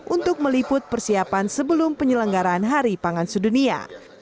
untuk meliput persiapan sebelum penyelenggaraan hari pangan sedunia